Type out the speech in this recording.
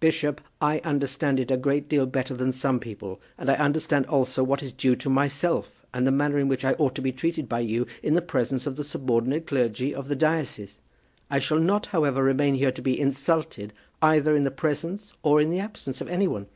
"Bishop, I understand it a great deal better than some people; and I understand also what is due to myself and the manner in which I ought to be treated by you in the presence of the subordinate clergy of the diocese. I shall not, however, remain here to be insulted either in the presence or in the absence of any one."